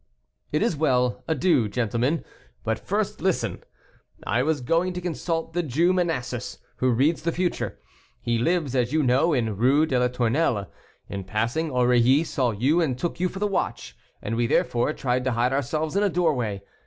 "It is well; adieu, gentlemen; but first listen. I was going to consult the Jew Manasses, who reads the future; he lives, as you know, in Rue de la Tournelle. In passing, Aurilly saw you and took you for the watch, and we, therefore, tried to hide ourselves in a doorway.